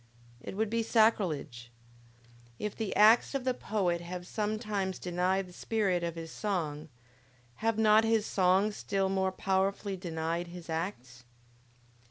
It would be sacrilege! If the acts of the poet have sometimes denied the spirit of his song, have not his songs still more powerfully denied his acts?